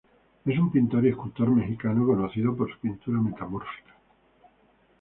Es un pintor y escultor mexicano conocido por su pintura metamórfica.